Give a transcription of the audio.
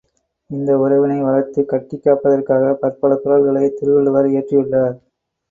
இந்த உறவினை வளர்த்துக் கட்டிக் காப்பதற்காகப் பற்பல குறள்களைத் திருவள்ளுவர் இயற்றியுள்ளார்.